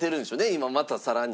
今また更に。